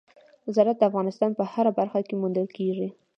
زراعت د افغانستان په هره برخه کې موندل کېږي.